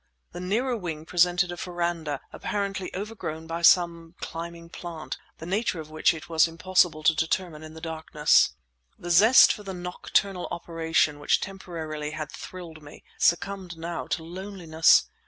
The nearer wing presented a verandah apparently overgrown by some climbing plant, the nature of which it was impossible to determine in the darkness. The zest for the nocturnal operation which temporarily had thrilled me succumbed now to loneliness.